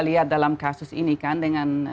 lihat dalam kasus ini kan dengan